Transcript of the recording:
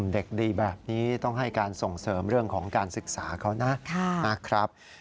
เด็กดีแบบนี้ต้องให้การส่งเสริมเรื่องของการศึกษาเขานะครับ